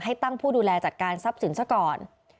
ให้ตั้งผู้ดูแลจัดการทรัพย์สินซะก่อน